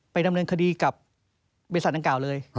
ดำเนินคดีกับบริษัทดังกล่าวเลย